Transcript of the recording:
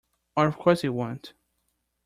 Of course it won't.